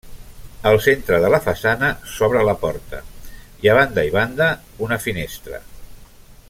Al centre de la façana s'obre la porta i a banda i banda una finestra.